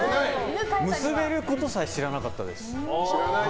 結べることさえ知らなかったです。